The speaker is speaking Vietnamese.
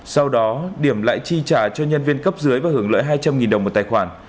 sau đó điểm lại chi trả cho nhân viên cấp dưới và hưởng lợi hai trăm linh đồng một tài khoản